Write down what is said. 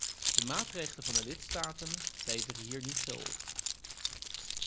De maatregelen van de lidstaten leveren hier niet veel op.